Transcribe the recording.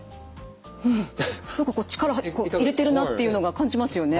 うん何かこう力入れてるなっていうのが感じますよね。